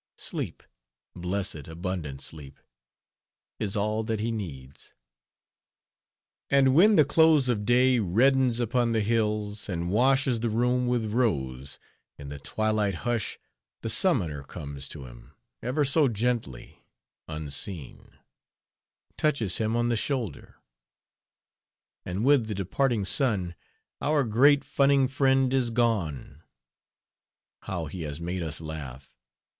Sleep, Blessed abundant sleep, Is all that he needs. And when the close of day Reddens upon the hills And washes the room with rose, In the twilight hush The Summoner comes to him Ever so gently, unseen, Touches him on the shoulder; And with the departing sun Our great funning friend is gone. How he has made us laugh!